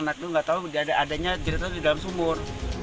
anak itu nggak tahu adanya cerita di dalam sumur